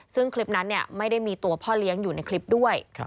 ซึ่งคลิปนั้นไม่ได้มีตัวพ่อเลี้ยงอยู่ในคลิปด้วย